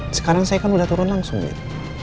sekarang saya kan udah turun langsung gitu